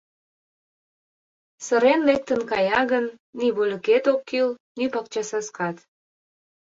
Сырен лектын кая гын, ни вольыкет ок кӱл, ни пакчасаскат.